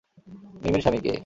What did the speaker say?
মিমির স্বামী--- কে?